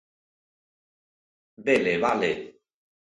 Vele, vale.